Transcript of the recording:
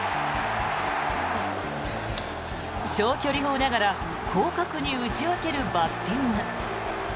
長距離砲ながら広角に打ち分けるバッティング。